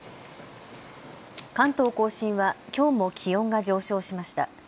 関東甲信はきょうも気温が上昇しました。